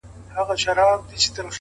• کلونه کیږي په خوبونو کي راتللې اشنا,